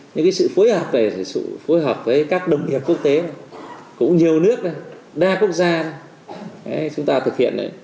nhưng cái sự phối hợp này sự phối hợp với các đồng nghiệp quốc tế cũng nhiều nước đa quốc gia chúng ta thực hiện đấy